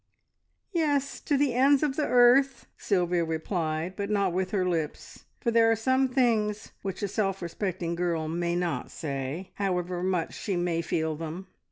"Yes, to the ends of the earth!" Sylvia replied, but not with her lips, for there are some things which a self respecting girl may not say, however much she may feel them.